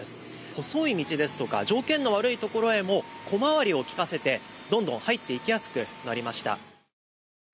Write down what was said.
細い道ですとか条件の悪いところへも小回りを利かせて、どんどん入っていきやすくなりました。